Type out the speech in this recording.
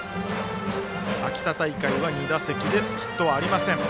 秋田大会は２打席でヒットはありません。